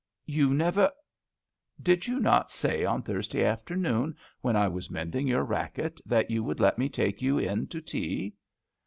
*' You never Did you not say on Thursday afternoon, when I was mending your racket, that you would let me take you in to tea?"